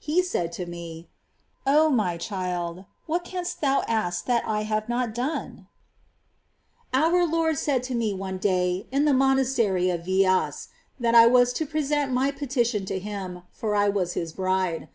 He said to me : "0 my child, what canst thou ask that I have not done ?" 25. Our Lord said to me one day, in the monastery of Veas, that I was to present my petition to Him, for I w^as His bride.